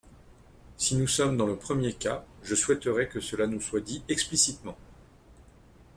Si nous sommes dans le premier cas, je souhaiterais que cela nous soit dit explicitement.